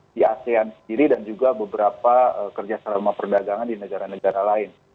di asean sendiri dan juga beberapa kerjasama perdagangan di negara negara lain